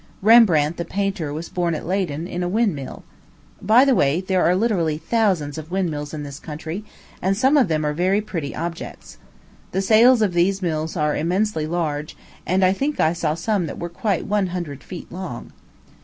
Rembrandt the painter was born at Leyden, in a wind mill. By the way, there are literally thousands of wind mills in this country, and some of them are very pretty objects. The sails of these mills are immensely large, and I think I saw some that were quite one hundred feet long.